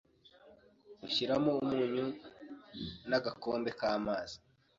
Ushyiramo umunyu n’agakombe k’amazi,